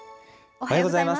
おはようございます。